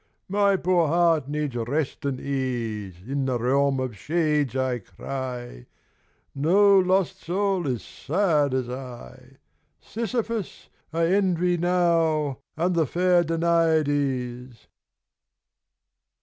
"My poor heart needs rest and ease, In the realm of shades I cry, No lost soul is sad as I. Sisyphus I envy now, And the fair Danaïdes."